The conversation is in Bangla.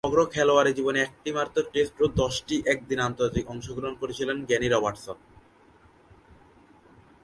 সমগ্র খেলোয়াড়ী জীবনে একটিমাত্র টেস্ট ও দশটি একদিনের আন্তর্জাতিকে অংশগ্রহণ করেছেন গ্যারি রবার্টসন।